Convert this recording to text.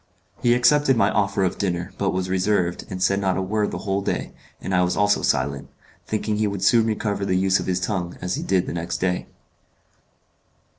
He accepted my offer of dinner, but was reserved, and said not a word the whole day, and I was also silent, thinking he would soon recover the use of his tongue, as he did the next day.